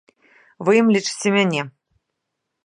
Вы ім лічыце мяне.